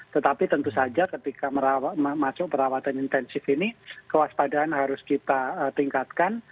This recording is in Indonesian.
tetapi tentu saja ketika masuk perawatan intensif ini kewaspadaan harus kita tingkatkan